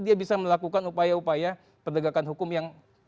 dia bisa melakukan upaya upaya perdagangan hukum yang